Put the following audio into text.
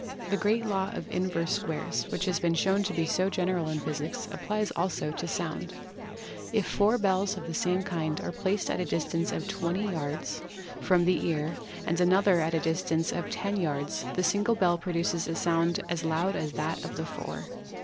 The great law of Inverse Squares which has been shown to be so general in physics applies also to Sound. If four bells of the same kind are placed at a distance of 20 yards 120 PHYSICS from the ear and another at a distance of 10 yards the single bell produces a sound as loud as that of the four.